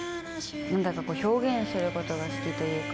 なんだか表現することが好きというか。